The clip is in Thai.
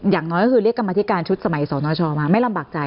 อย่างน้อยก็คือเรียกกรรมธิการชุดสมัยสนชมาไม่ลำบากใจ